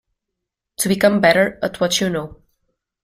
To become better at what you know.